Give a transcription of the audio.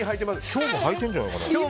今日もはいてんじゃないかな。